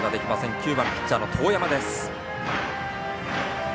９番、ピッチャーの當山です。